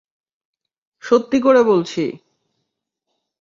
সত্যি করে বলছি!